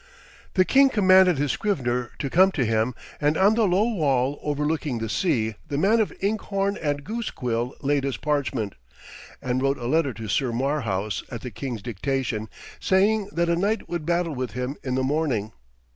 The king commanded his scrivener to come to him, and on the low wall overlooking the sea the man of inkhorn and goosequill laid his parchment, and wrote a letter to Sir Marhaus at the king's dictation, saying that a knight would battle with him in the morning.